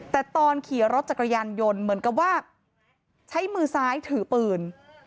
แต่ตอนขี่รถจักรยานยนต์เหมือนกับว่าใช้มือซ้ายถือปืน